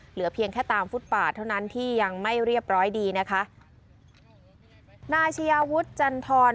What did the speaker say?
เหลือเพียงแค่ตามฟุตป่าเท่านั้นที่ยังไม่เรียบร้อยดีนะคะนายชายาวุฒิจันทร